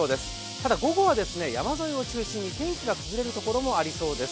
ただ午後は山沿いを中心に天気が崩れるところもありそうです。